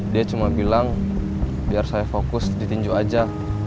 dia cuma bilang biar saya fokus di tinju aja